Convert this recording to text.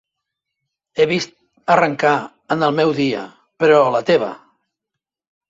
He vist arrencar en el meu dia, però la teva!